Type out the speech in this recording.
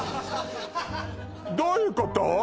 どういうこと？